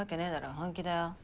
本気だよ。